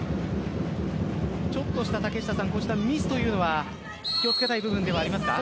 ちょっとしたこういったミスというのは気をつけたい部分ではありますか？